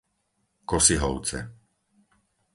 Kosihovce